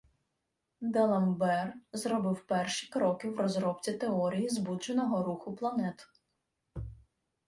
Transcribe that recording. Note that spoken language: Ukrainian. Д'Аламбер зробив перші кроки в розробці теорії збудженого руху планет.